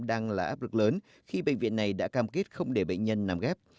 đang là áp lực lớn khi bệnh viện này đã cam kết không để bệnh nhân nằm ghép